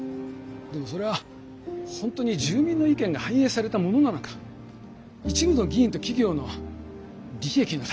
でもそれは本当に住民の意見が反映されたものなのか一部の議員と企業の利益のためになってないか。